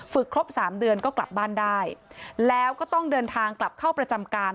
ครบสามเดือนก็กลับบ้านได้แล้วก็ต้องเดินทางกลับเข้าประจำการ